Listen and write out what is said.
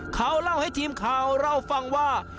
เขาเล่าให้ทีมข่าวเราฟังว่า